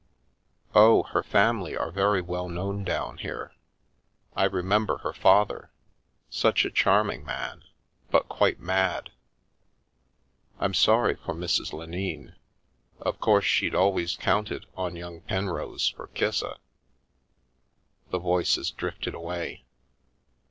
,," Oh, her family are very well known down here. I remember her father — such a charming man, but quite mad. I'm sorry for Mrs. Lenine; of course she'd al ways counted on young Penrose for Kissa " the voices drifted away.